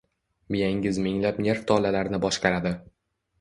Miyangiz minglab nerv tolalarini boshqaradi